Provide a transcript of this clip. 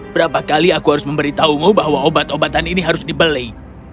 berapa kali aku harus memberitahumu bahwa obat obatan ini harus dibeli